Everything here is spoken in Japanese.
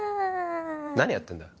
何やってんだ